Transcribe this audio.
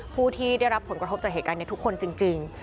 ผู้ที่ได้รับผลกระทบจากเหตุการณ์นี้ทุกคนจริง